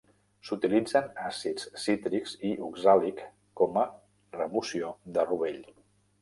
S'utilitzen àcids cítrics i oxàlic com a remoció de rovell.